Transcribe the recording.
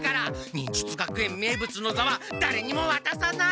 忍術学園名物のざはだれにもわたさない！